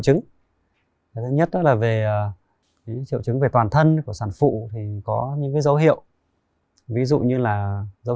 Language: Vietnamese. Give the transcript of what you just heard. chứng thứ nhất là về triệu chứng về toàn thân của sản phụ thì có những dấu hiệu ví dụ như là dấu